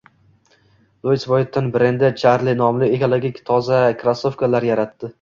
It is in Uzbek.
Louis Vuitton brendi Charlie nomli ekologik toza krossovkalarni yaratdi